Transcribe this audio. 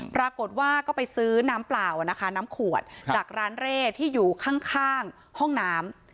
ปรากฏว่าก็ไปซื้อน้ำเปล่านะคะน้ำขวดจากร้านเร่ที่อยู่ข้างห้องน้ำ